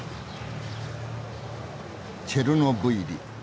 チェルノブイリ